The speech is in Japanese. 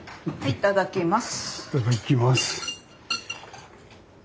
いただきます。